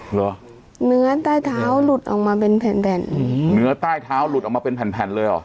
เหรอเนื้อใต้เท้าหลุดออกมาเป็นแผ่นแผ่นเนื้อใต้เท้าหลุดออกมาเป็นแผ่นแผ่นเลยเหรอ